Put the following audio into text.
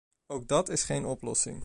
Ook dat is geen oplossing.